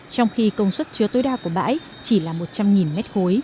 trong khi công suất chứa tối đa của bãi chỉ là một trăm linh m ba